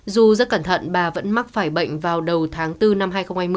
dù rất cẩn thận bà vẫn mắc phải bệnh vào đầu tháng bốn năm hai nghìn hai mươi